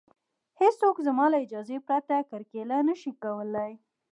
هېڅوک زما له اجازې پرته کرکیله نشي کولی